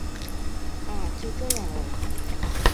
啊！就这样喔